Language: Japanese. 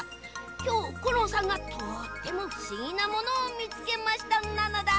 きょうコロンさんがとってもふしぎなものをみつけましたなのだ。